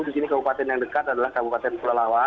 di sini kabupaten yang dekat adalah kabupaten pelalawan